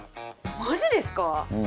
マジですか！？